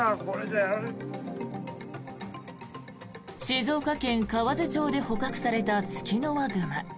静岡県河津町で捕獲されたツキノワグマ。